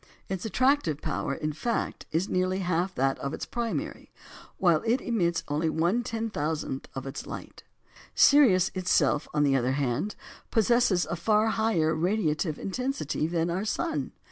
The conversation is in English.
Its attractive power, in fact, is nearly half that of its primary, while it emits only 1/10000th of its light. Sirius itself, on the other hand, possesses a far higher radiative intensity than our sun.